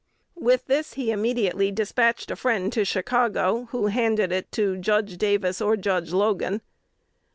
With this he immediately despatched a friend to Chicago, who handed it to Judge Davis or Judge Logan.